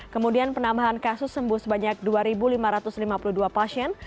kemudian penambahan kasus sembuh sebanyak dua lima ratus lima puluh dua pasien